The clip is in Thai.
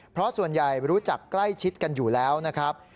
เพราะส่วนใหญ่รู้จักใกล้ชิดกันอยู่แล้วนะครับ